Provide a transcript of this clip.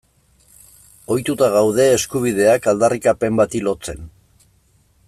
Ohituta gaude eskubideak aldarrikapen bati lotzen.